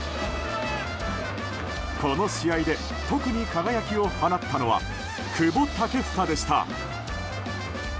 この試合で特に輝きを放ったのは久保建英でした。